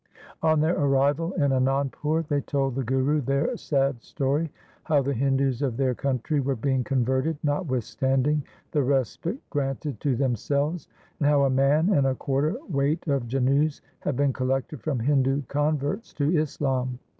On their arrival in Anandpur, they told the Guru their sad story — how the Hindus of their country were being converted notwithstanding the respite granted to themselves, and how a man and a quarter weight of janeas had been collected from Hindu converts to Islam.